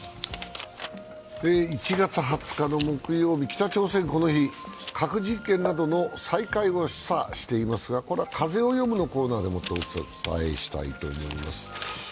１月２０日の木曜日、北朝鮮、この日、核実験などの再開を示唆していますが、これは「風をよむ」のコーナーでお伝えしたいと思います。